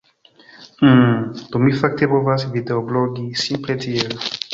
Um, do mi fakte povas videoblogi simple tiel.